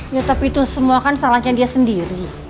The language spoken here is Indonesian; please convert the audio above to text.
ya tapi itu semua kan salahnya dia sendiri